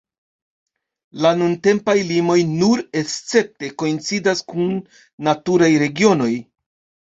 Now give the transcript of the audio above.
La nuntempaj limoj nur escepte koincidas kun naturaj regionoj.